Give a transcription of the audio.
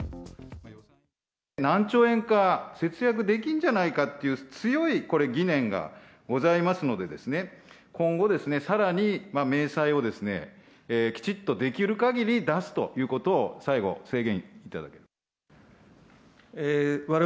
何兆円か節約できんじゃないかっていう強いこれ、疑念がございますのでですね、今後、さらに明細をですね、きちっとできるかぎり出すということを最後、宣言いただければ。